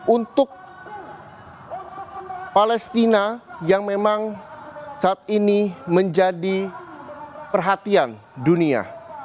untuk palestina yang memang saat ini menjadi perhatian dunia